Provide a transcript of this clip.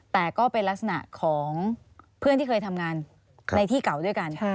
แต่ก็เป็นลักษณะของเพื่อนที่เคยทำงานในที่เก่าด้วยกัน